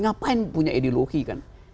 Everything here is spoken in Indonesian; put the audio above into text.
ngapain punya ideologi kan